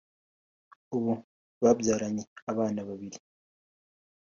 ubu babyaranye abana babiri